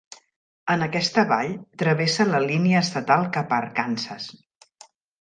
En aquesta vall, travessa la línia estatal cap a Arkansas.